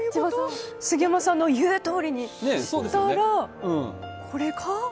杉山さんの言うとおりにしたら、これか？